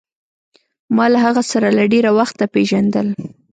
ما له هغه سره له ډېره وخته پېژندل.